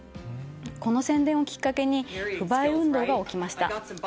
この宣伝をきっかけに不買運動が起きました。